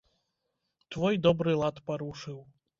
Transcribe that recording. Твой добры лад парушыў.